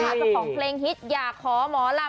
เจ้าของเพลงฮิตอยากขอหมอลำ